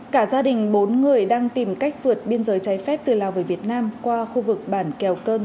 cả gia đình bốn người đang tìm cách vượt biên giới trái phép từ lào về việt nam qua khu vực bản kèo cơn